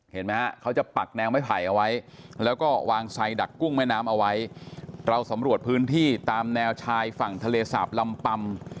เห็นไหมฮะเขาจะปักแนวไม้ไผ่เอาไว้แล้วก็วางไซดักกุ้งแม่น้ำเอาไว้เราสำรวจพื้นที่ตามแนวชายฝั่งทะเลสาบลำปำ